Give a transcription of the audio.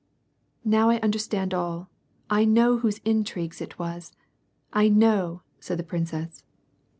" Now I understand all. I know whose intrigues it was. I know," said the princess.